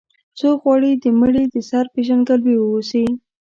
څوک غواړي د مړي د سر پېژندګلوي واوسي.